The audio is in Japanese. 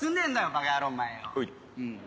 バカ野郎お前よ。